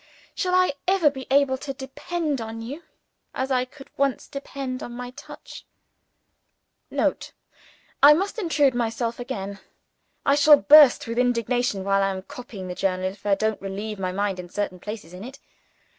shall I ever be able to depend on you as I could once depend on my touch? [Note. I must intrude myself again. I shall burst with indignation while I am copying the journal, if I don't relieve my mind at certain places in it.